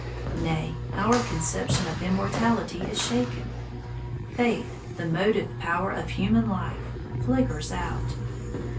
Nay, our conception of immortality is shaken. Faith, the motive power of human life, flickers out.